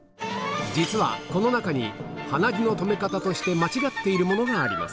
実は、この中に、鼻血の止め方として間違っているものがあります。